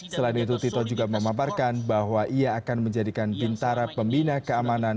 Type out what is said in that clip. selain itu tito juga memaparkan bahwa ia akan menjadikan bintara pembina keamanan